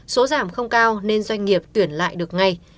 số giảm không cao nên doanh nghiệp tuyển lại được ngay